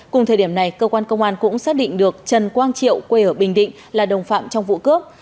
cùng thời điểm này cơ quan công an cũng xác định được trần quang triệu quê ở bình định là đồng phạm trong vụ cướp